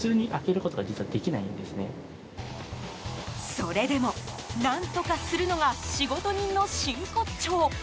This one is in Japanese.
それでも、何とかするのが仕事人の真骨頂。